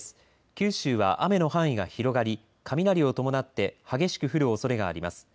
九州は雨の範囲が広がり雷を伴って激しく降るおそれがあります。